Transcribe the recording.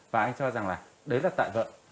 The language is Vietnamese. và anh cho rằng là đấy là tại vợ